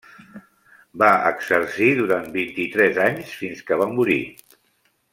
Va exercir durant vint-i-tres anys fins que va morir.